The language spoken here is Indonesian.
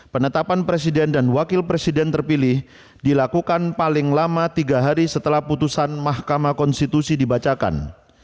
penetapan presiden dan wakil presiden terpilih dilakukan paling lama tiga hari setelah putusan mahkamah konstitusi dibacakan